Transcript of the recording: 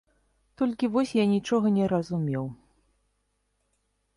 Толькі вось я нічога не разумеў.